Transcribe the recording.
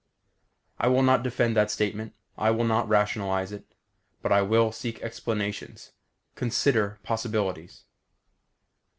_ I will not defend that statement. I will not rationalize it. But I will seek explanations; consider possibilities.